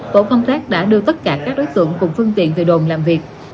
tổ công tác đã đưa tất cả các đối tượng cùng phương tiện về đồn làm việc